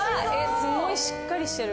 すごいしっかりしてる。